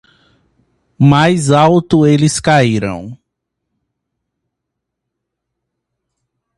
Mais alto eles caíram.